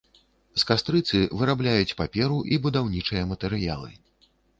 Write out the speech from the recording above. З кастрыцы вырабляюць паперу і будаўнічыя матэрыялы.